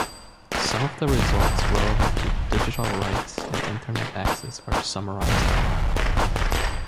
Some of the results relevant to Digital rights and Internet access are summarized below.